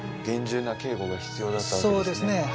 厳重な警護が必要だったそうですね